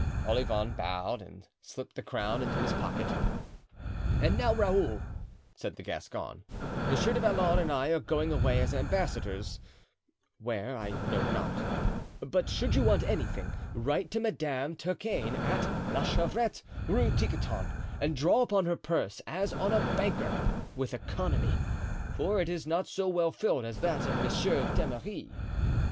Olivain bowed and slipped the crown into his pocket. "And now, Raoul," said the Gascon, "Monsieur du Vallon and I are going away as ambassadors, where, I know not; but should you want anything, write to Madame Turquaine, at La Chevrette, Rue Tiquetonne and draw upon her purse as on a banker—with economy; for it is not so well filled as that of Monsieur d'Emery."